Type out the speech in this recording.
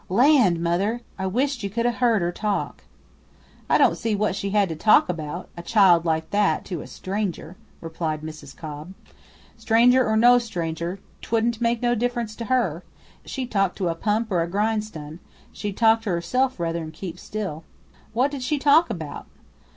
Land, mother! I wish 't you could 'a' heard her talk." "I don't see what she had to talk about, a child like that, to a stranger," replied Mrs. Cobb. "Stranger or no stranger, 't wouldn't make no difference to her. She'd talk to a pump or a grind stun; she'd talk to herself ruther 'n keep still." "What did she talk about?"